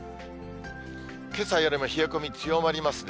けさよりも冷え込み強まりますね。